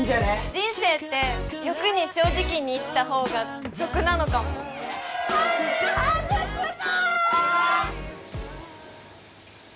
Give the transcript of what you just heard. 人生って欲に正直に生きたほうが得なのかもハメ外すぞ！